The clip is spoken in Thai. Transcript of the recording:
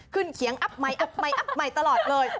ขึ้นเขียงอับใหม่อับใหม่อับใหม่อับใหม่ตลอดเลย